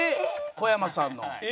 小山さんの？